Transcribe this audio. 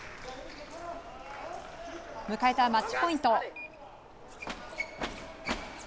迎えたマッチポイント。